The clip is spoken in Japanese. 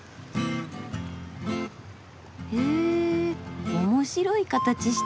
へぇ面白い形してる。